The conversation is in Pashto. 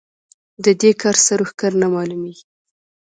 د دې کار سر و ښکر نه مالومېږي.